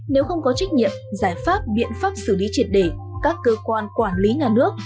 nếu không có trách nhiệm giải pháp biện pháp xử lý triệt để các cơ quan quản lý nhà nước